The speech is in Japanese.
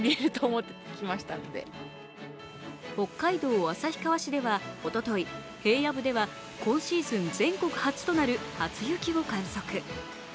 北海道旭川市ではおととい平野部では今シーズン全国初となる初雪を観測。